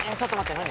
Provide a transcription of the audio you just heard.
何？